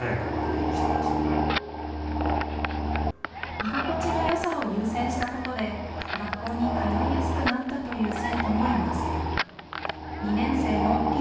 居心地の良さを優先したことで学校に通いやすくなったという生徒もいます。